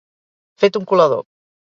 Fet un colador.